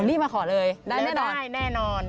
รีบมาขอเลยได้แน่นอน